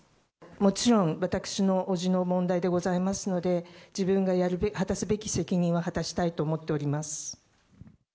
もちろん、私の叔父の問題でございますので、自分がやるべき、果たすべき責任は果たしたいと思っております。